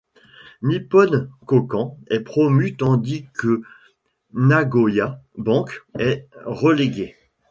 Nippon Kokan est promu tandis que Nagoya Bank est relégué.